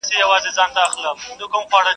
په همزولو په سیالانو کي منلې !.